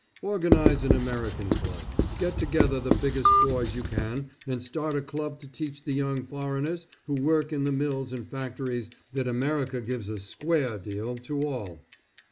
Organize an American Club. Get together the biggest boys you can and start a club to teach the young foreigners who work in the mills and factories that America gives a square deal to all.